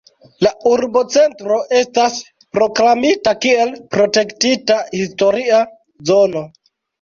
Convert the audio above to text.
La urbocentro estas proklamita kiel protektita historia zono.